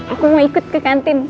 aku mau ikut ke kantin